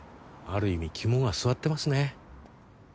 ある意味肝が据わってますね。